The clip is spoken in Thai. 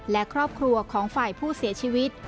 และครอบครัวของฝ่ายผู้เสียชีวิต